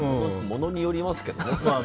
ものによりますけどね。